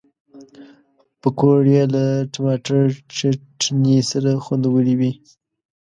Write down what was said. پکورې له ټماټر چټني سره خوندورې وي